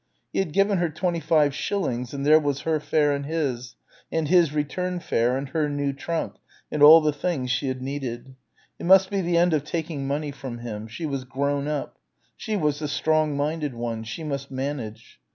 He had given her twenty five shillings and there was her fare and his, and his return fare and her new trunk and all the things she had needed. It must be the end of taking money from him. She was grown up. She was the strong minded one. She must manage.